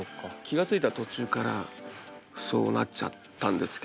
気が付いたら途中からそうなっちゃったんですけど